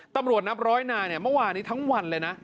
ตำรวจนับร้อยนายเนี่ยเมื่อวานนี้ทั้งวันเลยนะ